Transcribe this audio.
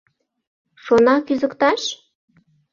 Шона кӱзыкташ?